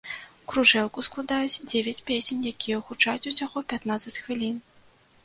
Кружэлку складаюць дзевяць песень, якія гучаць усяго пятнаццаць хвілін.